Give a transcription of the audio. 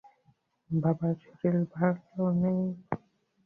বাবার শরীর ভালো নাই।